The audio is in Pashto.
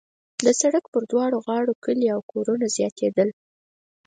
د سړک پر دواړو غاړو کلي او کورونه زیاتېدل.